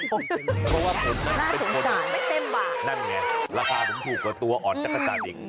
เพราะว่าผมไม่เป็นคนนั่นไงราคาผมถูกกว่าตัวอ่อนจักรจันอีก